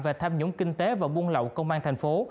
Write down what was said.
về tham nhũng kinh tế và buôn lậu công an thành phố